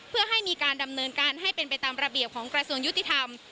เพื่อให้มีการดำเนินการให้เป็นไปตามระเบียบของกระทรวงยุติธรรม